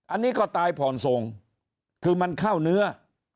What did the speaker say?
อันนี้ก็ตายผ่อนส่งคือมันเข้าเนื้อ